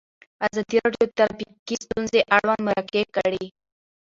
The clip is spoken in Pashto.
ازادي راډیو د ټرافیکي ستونزې اړوند مرکې کړي.